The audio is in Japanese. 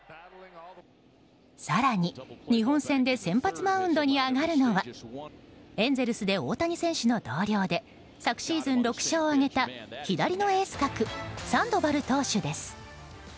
更に、日本戦で先発マウンドに上がるのはエンゼルスで大谷選手の同僚で昨シーズン６勝を挙げた左のエース格サンドバル投手です。